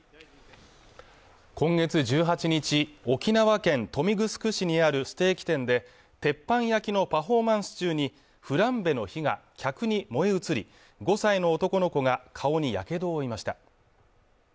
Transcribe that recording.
今月１８日沖縄県豊見城市にあるステーキ店で鉄板焼きのパフォーマンス中にフランベの火が客に燃え移り５歳の男の子が顔にやけどを負いました